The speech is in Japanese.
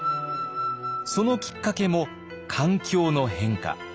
そのきっかけも環境の変化。